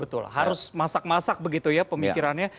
betul harus masak masak begitu ya pemikirannya